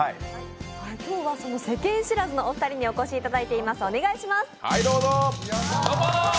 今日は世間知らズのお二人にお越しいただいています。